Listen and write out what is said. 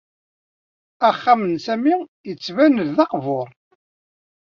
Axxam n Sami yettban-d d aqbur.